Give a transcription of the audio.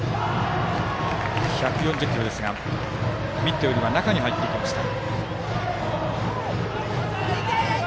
１４０キロですがミットよりは中に入ってきました。